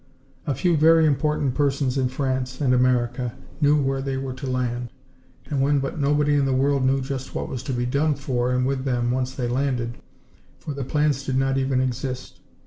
A few very important persons in France and America knew where they were to land, and when, but nobody in the world knew just what was to be done for and with them once they landed, for the plans did not even exist.